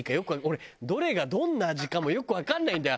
俺どれがどんな味かもよくわかんないんだよ